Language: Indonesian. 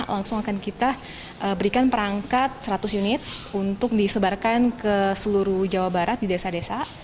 langsung akan kita berikan perangkat seratus unit untuk disebarkan ke seluruh jawa barat di desa desa